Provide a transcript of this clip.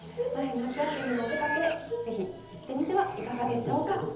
夏休みのお出かけに行ってみてはどうでしょうか？